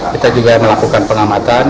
kita juga melakukan pengamatan